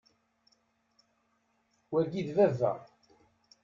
Wagi, d baba.